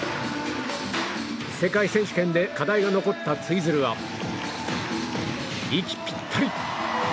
世界選手権で課題が残ったツイズルは、息ぴったり。